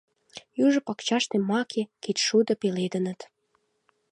Южо пакчаште маке, кечшудо пеледыныт.